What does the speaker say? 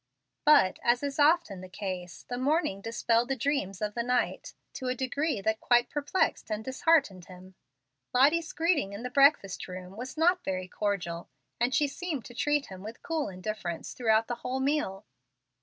But, as is often the case, the morning dispelled the dreams of the night, to a degree that quite perplexed and disheartened him. Lottie's greeting in the breakfast room was not very cordial, and she seemed to treat him with cool indifference throughout the whole meal.